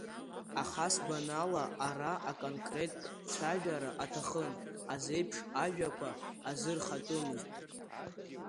Аха, сгәанала, ара аконкреттә цәажәара аҭахын, азеиԥш ажәақәа азырхатәымызт.